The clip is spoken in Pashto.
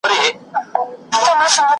هغه اولس به اخته په ویر وي .